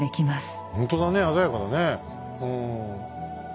ほんとだね鮮やかだねうん。